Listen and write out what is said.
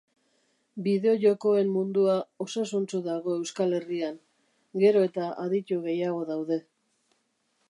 Bideojokoen mundua osasuntsu dago Euskal Herrian, gero eta aditu gehiago daude